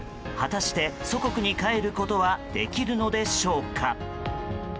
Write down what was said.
果たして、祖国に帰ることはできるのでしょうか。